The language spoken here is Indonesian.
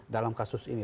dalam kasus ini